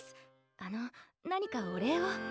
あの何かお礼を。